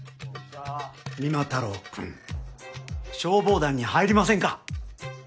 三馬太郎くん消防団に入りませんか？